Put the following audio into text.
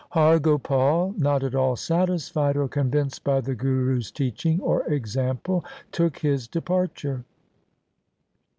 Har Gopal, not at all satisfied or convinced by the Guru's teaching or example, took his departure.